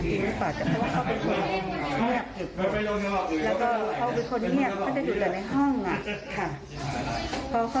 นี่คือทางด้านของอีกคนนึงบ้างค่ะคุณผู้ชมค่ะ